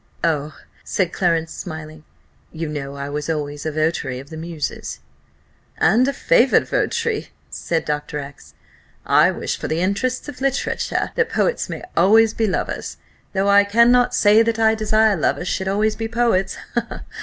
"Oh," said Clarence, smiling, "you know I was always a votary of the muses." "And a favoured votary," said Dr. X . "I wish for the interests of literature, that poets may always be lovers, though I cannot say that I desire lovers should always be poets.